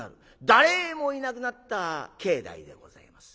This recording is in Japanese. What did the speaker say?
誰もいなくなった境内でございます。